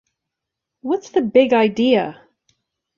What's the big idea?